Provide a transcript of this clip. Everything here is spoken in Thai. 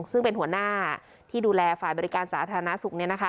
ซึ่งเป็นหัวหน้าที่ดูแลฝ่ายบริการสาธารณสุข